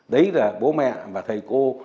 đấy là bố mẹ và thầy cô